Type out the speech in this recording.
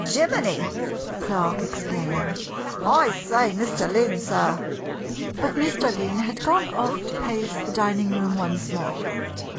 "Jiminy!" the clerk exclaimed. "I say, Mr. Lynn, sir!" But Mr. Lynn had gone off to pace the dining room once more.